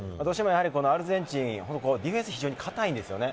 アルゼンチンはディフェンスが非常に堅いんですよね。